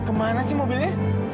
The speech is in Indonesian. kemana sih mobilnya